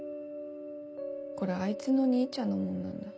これあいつの兄ちゃんのものなんだ。